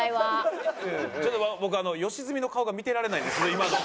ちょっと僕吉住の顔が見てられないんです今の。